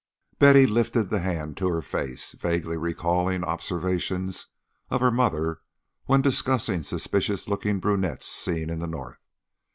Betty lifted the hand to her face, vaguely recalling observations of her mother when discussing suspicious looking brunettes seen in the North.